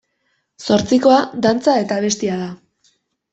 Zortzikoa, dantza eta abestia da.